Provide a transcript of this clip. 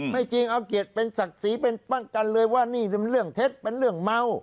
ไม่จริงเอาเกียรติเป็นศักดิ์ศรีเป็นป้องกันเลยว่านี่เป็นเรื่องเท็จเป็นเรื่องเมา